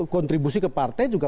kontribusi ke partai juga